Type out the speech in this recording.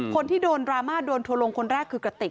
คนที่โดนดราม่าโดนทัวลงคนแรกคือกระติก